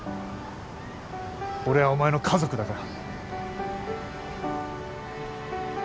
俺はお前の家族だから。